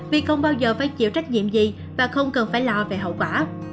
vì không bao giờ phải chịu trách nhiệm gì và không cần phải lo về hậu quả